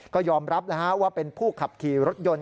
ก็ยอมรับว่าเป็นผู้ขับขี่รถยนต์